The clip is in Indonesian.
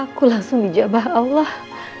aku langsung dijabah allah